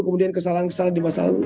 kemudian kesalahan kesalahan di masa lalu